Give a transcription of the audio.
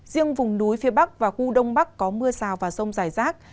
riêng vùng núi phía bắc và khu đông bắc có mưa rào và rông rải rác